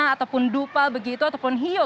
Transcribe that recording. ataupun dupal begitu ataupun hiyo